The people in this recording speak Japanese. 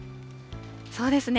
そうですね。